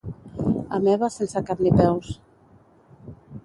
Ameba sense cap ni peus.